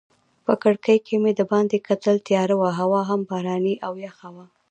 په کړکۍ کې مې دباندې کتل، تیاره وه هوا هم باراني او یخه وه.